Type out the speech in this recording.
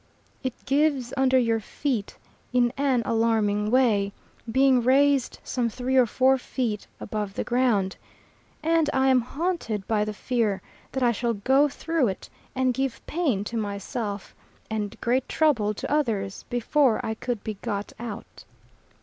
It gives under your feet in an alarming way, being raised some three or four feet above the ground, and I am haunted by the fear that I shall go through it and give pain to myself, and great trouble to others before I could be got out.